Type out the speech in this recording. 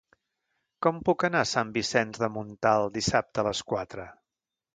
Com puc anar a Sant Vicenç de Montalt dissabte a les quatre?